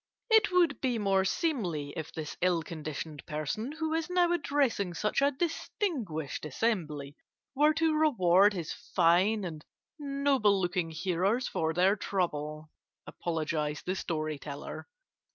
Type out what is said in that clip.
"It would be more seemly if this ill conditioned person who is now addressing such a distinguished assembly were to reward his fine and noble looking hearers for their trouble," apologized the story teller.